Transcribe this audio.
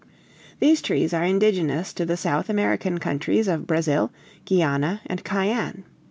These trees are indigenous to the South American countries of Brazil, Guiana, and Cayenne.